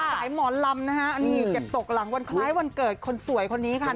สายหมอนลำนี้ตกหลังวันไคล้วันเกิดคนนี้ค่ะ